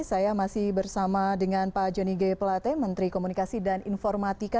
saya masih bersama dengan pak jonny g pelate menteri komunikasi dan informatika